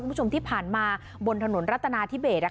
คุณผู้ชมที่ผ่านมาบนถนนรัฐนาธิเบส